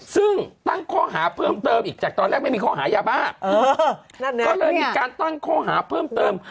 ซึ่งตั้งข้อหาเพิ่มเติมอีกจากตอนแรกไม่มีข้อหายาบ้าก็เลยมีการตั้งข้อหาเพิ่มเติม